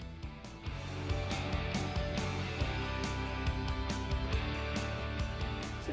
ternyata papan desain ini mendapatkan apresiasi dari konsumen